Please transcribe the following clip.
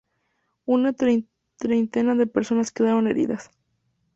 Una treintena de personas quedaron heridas.